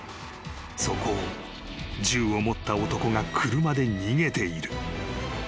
［そこを銃を持った男が車で逃げている］